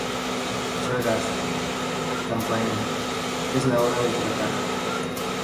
Chagas: Campaña ¡Es la hora de tratar!